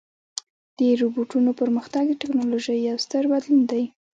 د روبوټونو پرمختګ د ټکنالوژۍ یو ستر بدلون دی.